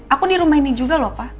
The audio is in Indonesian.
aku di rumah ini juga lho pak